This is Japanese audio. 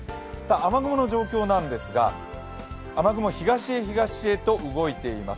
雨雲の状況なんですが、雨雲、東へ東へと動いています。